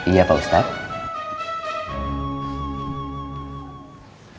iya pak ustadz